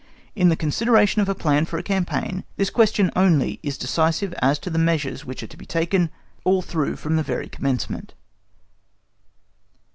In the consideration of a plan for a campaign, this question only is decisive as to the measures which are to be taken all through from the very commencement.